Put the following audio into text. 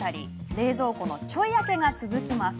冷蔵庫のちょい開けが続きます。